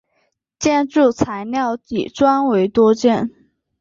建筑材料以砖为多见。